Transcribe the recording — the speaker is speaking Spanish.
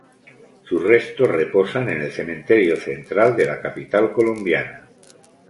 Sus restos reposan en el Cementerio Central de la capital colombiana.